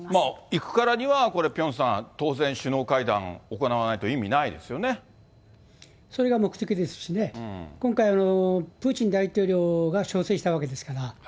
行くからには、これ、ピョンさん、当然、首脳会談、それが目的ですしね、今回、プーチン大統領が調整したわけですから。